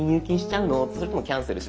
それともキャンセルしますか」。